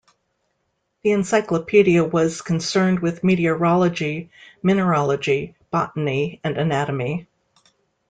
The encyclopedia was concerned with meteorology, mineralogy, botany, and anatomy.